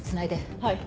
はい。